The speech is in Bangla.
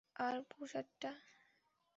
আর প্রসাদটা!